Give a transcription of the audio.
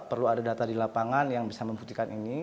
perlu ada data di lapangan yang bisa membuktikan ini